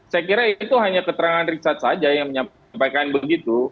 saya kira itu hanya keterangan richard saja yang menyampaikan begitu